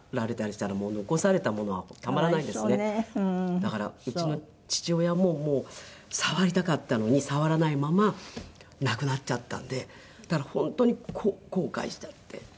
だからうちの父親も触りたかったのに触らないまま亡くなっちゃったんで本当に後悔したって。